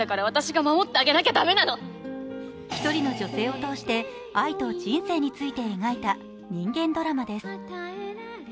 一人の女性を通して愛と人生について描いた人間ドラマです。